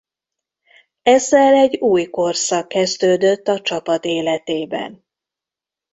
Ezzel egy új korszak kezdődött a csapat életében.